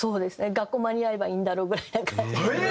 学校間に合えばいいんだろうぐらいな感じ。